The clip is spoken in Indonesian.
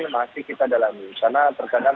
masih kita dalami karena terkadang